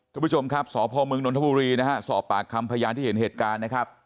คุณผู้ชมครับสพมนนทบุรีนะฮะสอบปากคำพยานที่เห็นเหตุการณ์นะครับ